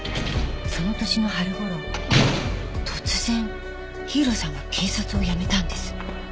その年の春頃突然火浦さんが警察を辞めたんです。